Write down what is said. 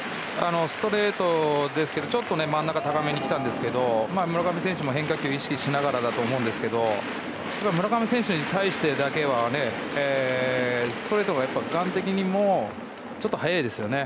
ストレートですがちょっと真ん中高めに来て村上選手も変化球を意識しながらだと思うんですが村上選手に対してだけはストレートがガン的にも速いですよね。